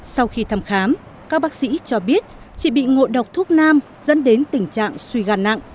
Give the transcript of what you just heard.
sau khi thăm khám các bác sĩ cho biết chị bị ngộ độc thuốc nam dẫn đến tình trạng suy gan nặng